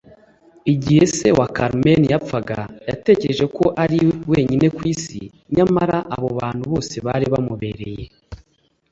Igihe se wa Carmen yapfaga, yatekereje ko ari wenyine ku isi, nyamara abo bantu bose bari bamubereye.